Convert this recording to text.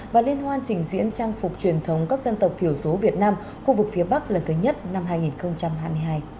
và liên hoan trình diễn trang phục truyền thống các dân tộc thiểu số việt nam khu vực phía bắc lần thứ nhất năm hai nghìn hai mươi hai